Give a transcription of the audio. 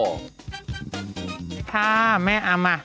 ขอบคุณแม่อำมา